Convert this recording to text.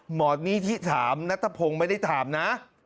หมอนิธิถามนัทพงศ์ไม่ได้ถามนะ